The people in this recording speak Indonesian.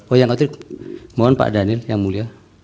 oh ya nanti mohon pak daniel yang mulia